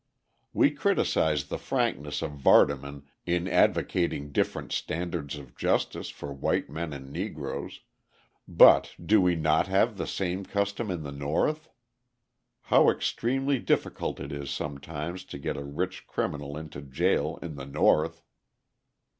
We criticise the frankness of Vardaman in advocating different standards of justice for white men and Negroes, but do we not have the same custom in the North? How extremely difficult it is sometimes to get a rich criminal into jail in the North!